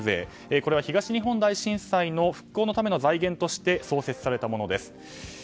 これは東日本大震災の復興のための財源として創設されたものです。